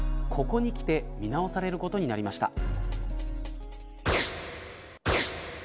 ここにきて見直されることになりました。